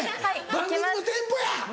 番組のテンポや！